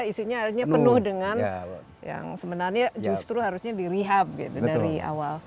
isinya harusnya penuh dengan yang sebenarnya justru harusnya dirihab dari awal